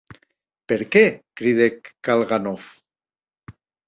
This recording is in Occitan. Per qué?, cridèc Kalganov.